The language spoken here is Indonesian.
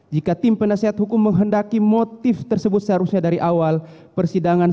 jika tim penasehat hukum menghendaki motif tersebut seharusnya dari awal persidangan tersebut tidak akan berjalan